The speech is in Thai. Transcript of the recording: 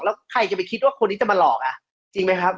แล้วใครจะไปคิดว่าคนนี้จะมาหลอกอ่ะจริงไหมครับ